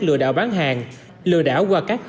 lừa đảo bán hàng lừa đảo qua các hình